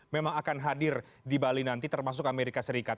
memang akan hadir di bali nanti termasuk amerika serikat